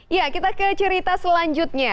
ya kita ke cerita selanjutnya